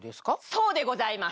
そうでございます。